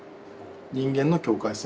人間の境界線。